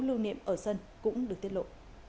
đương niệm ở sân cũng được tiết lộ